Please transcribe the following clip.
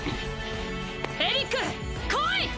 エリック来い！